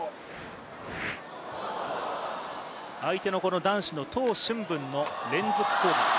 相手の男子のトウ俊文の連続攻撃。